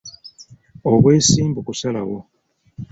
Obwesimbu kusalawo.